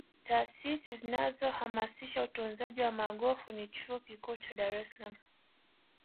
taasisi zinazohasisha utunzaji wa magofu ni chuo Kikuu cha dar es salaam